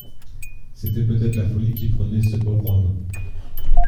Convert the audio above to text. C'était peut-être la folie qui prenait ce pauvre homme.